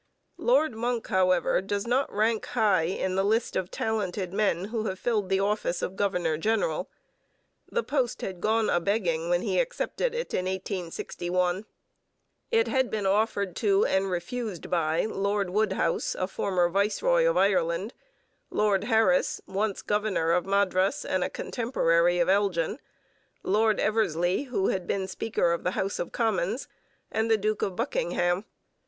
Lord Monck, however, does not rank high in the list of talented men who have filled the office of governor general. The post had gone a begging when he accepted it in 1861. It had been offered to and refused by Lord Wodehouse, a former viceroy of Ireland; Lord Harris, once governor of Madras and a contemporary of Elgin; Lord Eversley, who had been speaker of the House of Commons; and the Duke of Buckingham.